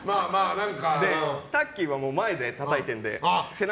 タッキーは前でたたいてるので背中